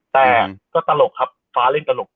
แต่ก็ตลกครับฟ้าเล่นตลก